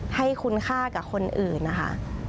ให้คุณค่ากับคนอื่นนะคะ